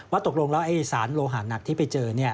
ตกลงแล้วสารโลหาหนักที่ไปเจอ